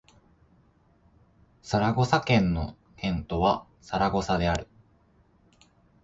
サラゴサ県の県都はサラゴサである